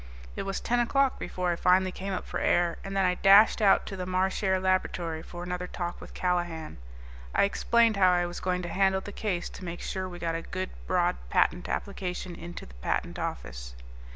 It was ten o'clock before I finally came up for air, and then I dashed out to the Marchare Laboratory for another talk with Callahan. I explained how I was going to handle the case to make sure we got a good, broad patent application into the Patent Office.